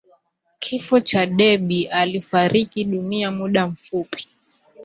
Kifo cha Déby alifariki dunia muda mfupi